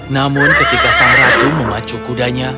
namun ketika sang ratu memacu kudanya